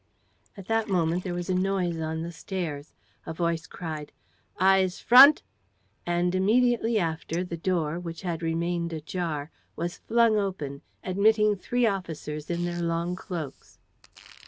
At that moment there was a noise on the stairs. A voice cried: "Eyes front!" And, immediately after, the door, which had remained ajar, was flung open, admitting three officers in their long cloaks.